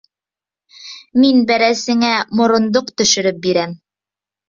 Мин бәрәсеңә морондоҡ төшөрөп бирәм...